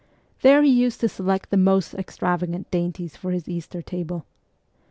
There he used to select the most extravagant dainties for his Easter table.